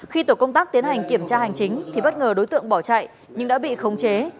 khi tổ công tác tiến hành kiểm tra hành chính thì bất ngờ đối tượng bỏ chạy nhưng đã bị khống chế